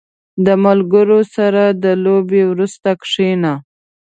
• د ملګرو سره د لوبې وروسته کښېنه.